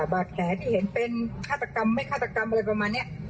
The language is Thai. บาดแผลที่เห็นเป็นฆาตกรรมไม่ฆาตกรรมอะไรประมาณนี้